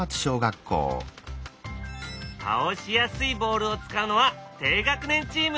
倒しやすいボールを使うのは低学年チーム！